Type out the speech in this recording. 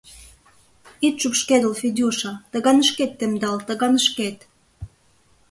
Ит шупшкедыл, Федюша, таганышкет темдал, таганышкет...